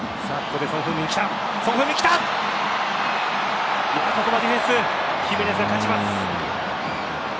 ここはディフェンスヒメネスが勝ちます。